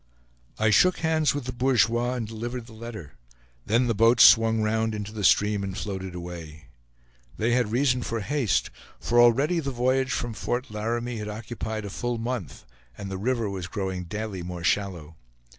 I shook hands with the bourgeois, and delivered the letter; then the boats swung round into the stream and floated away. They had reason for haste, for already the voyage from Fort Laramie had occupied a full month, and the river was growing daily more shallow.